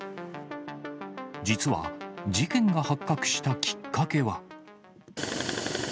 実は、事件が発覚したきっかけは。